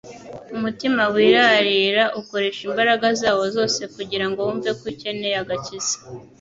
Umutima wirarira ukoresha imbaraga zawo zose kugira ngo wumve ko ukencye agakiza;